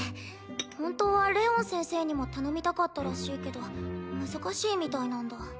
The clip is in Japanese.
本当はレオン先生にも頼みたかったらしいけど難しいみたいなんだ。